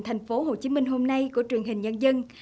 thành phố hồ chí minh hôm nay của truyền hình nhân dân